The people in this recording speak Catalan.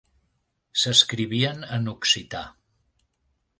S'escrivien en occità.